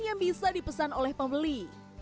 yang bisa dipesan oleh pembeli